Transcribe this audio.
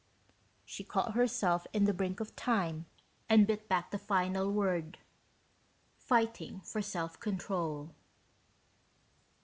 She caught herself in the brink of time and bit back the final word, fighting for self control.